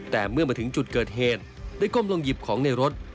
แต่เมื่อมาถึงจุดเกิดเหตุได้ก้มลงหยิบของในรถ